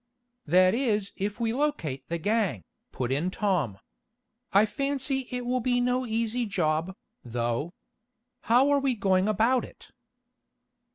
"That is if we locate the gang," put in Tom. "I fancy it will be no easy job, though. How are we going about it?"